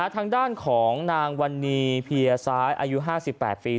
ทางด้านของนางวันนี้เพียซ้ายอายุ๕๘ปี